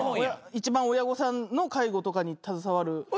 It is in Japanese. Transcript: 一番親御さんの介護とかに携わる。